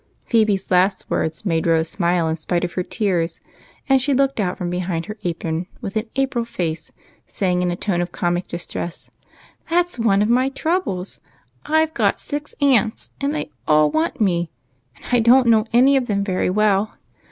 Phebe's last words made Rose smile in spite of her tears, and she looked out from behind her apron with an April face, saying in a tone of comic distress, —" That 's one of my troubles ! I 've got six aunts, and they all want me, and I don't know any of them very well.